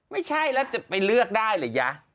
ไม่ใช่แล้วจะไปเลือกได้หรือยะ